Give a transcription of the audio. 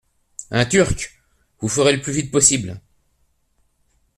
Un Turc ! Vous ferez le plus vite possible.